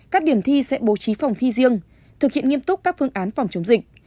các điểm thi sẽ bố trí phòng thi riêng thực hiện nghiêm túc các phương án phòng chống dịch